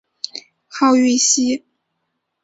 号玉溪。